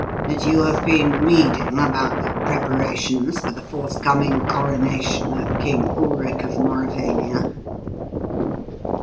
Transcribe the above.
That you have been reading about the preparations for the forthcoming coronation of King Ulric of Mauravania?"